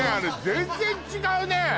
全然違うね